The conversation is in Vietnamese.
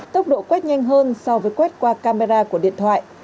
tốc độ quét nhanh hơn so với quét qua camera của điện thoại